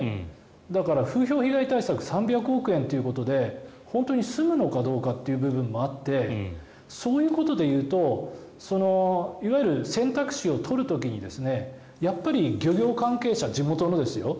だから、風評被害対策３００億円っていうことで本当に済むのかどうかというのもあってそういうことでいうといわゆる選択肢を取る時にやっぱり漁業関係者地元のですよ